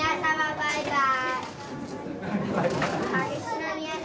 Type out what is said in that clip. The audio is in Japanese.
バイバイ。